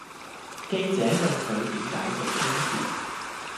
記者問佢點解仲堅持